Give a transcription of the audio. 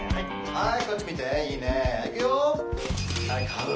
はい。